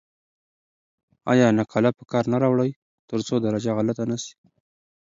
آیا نقاله په کار نه راوړئ ترڅو درجه غلطه نه سی؟